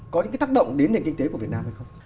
có những cái tác động đến nền kinh tế của việt nam hay không